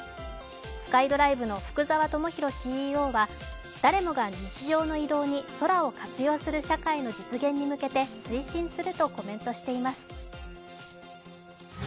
ＳｋｙＤｒｉｖｅの福澤知浩ＣＥＯは、誰もが日常の移動に空を活用する社会の実現に向けて推進するとコメントしています。